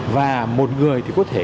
và một người thì có thể